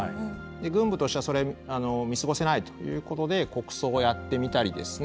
軍部としてはそれは見過ごせないということで国葬をやってみたりですね